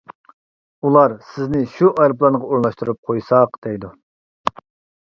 ئۇلار سىزنى شۇ ئايروپىلانغا ئورۇنلاشتۇرۇپ قويساق، دەيدۇ.